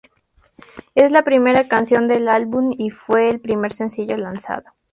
Es la primera canción del álbum y fue el primer sencillo lanzado.